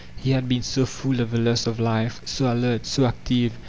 He had been so full of the lust of life, so alert, ao active